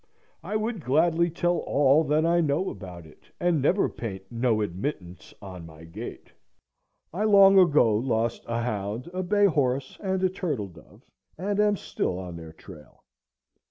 I would gladly tell all that I know about it, and never paint "No Admittance" on my gate. I long ago lost a hound, a bay horse, and a turtle dove, and am still on their trail.